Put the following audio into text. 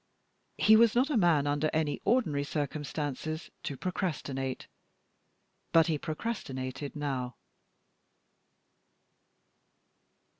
He was not a man under any ordinary circumstances to procrastinate, but he procrastinated now.